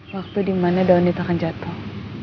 waktu di mana daun itu akan jatuh